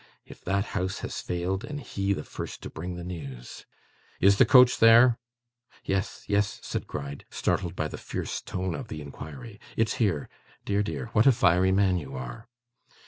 If that house has failed, and he the first to bring the news! Is the coach there?' 'Yes, yes,' said Gride, startled by the fierce tone of the inquiry. 'It's here. Dear, dear, what a fiery man you are!